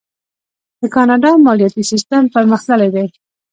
د کاناډا مالیاتي سیستم پرمختللی دی.